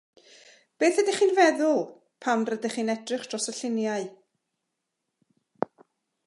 Beth ydych chi'n ei feddwl pan rydych chi'n edrych dros y lluniau.